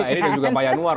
ini juga pak yanuar